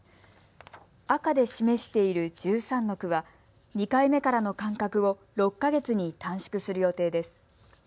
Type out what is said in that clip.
赤で示している１３の区は２回目からの間隔を６か月に短縮する予定です。